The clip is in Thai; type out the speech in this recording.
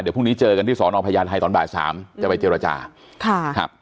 เดี๋ยวพรุ่งนี้เจอกันที่สอนอพญาณไทยตอนบ่าย๓จะไปจิรจา